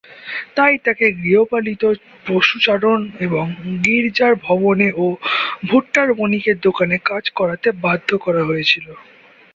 তাই তাকে গৃহপালিত পশু চারণ এবং গির্জার ভবনে ও ভুট্টার বণিকের দোকানে কাজ করাতে বাধ্য করা হয়েছিল।